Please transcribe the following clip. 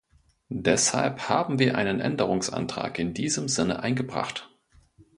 Deshalb haben wir einen Änderungsantrag in diesem Sinne eingebracht.